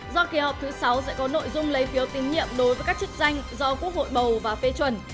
do kỳ họp thứ sáu sẽ có nội dung lấy phiếu tín nhiệm đối với các chức danh do quốc hội bầu và phê chuẩn